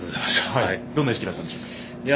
どんな意識だったんでしょうか。